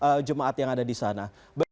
terhadap jemaat yang ada di sana